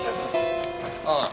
ああ。